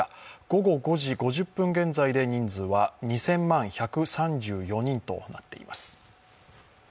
午後５時５０分現在で人数は２０００万１３４人となっています。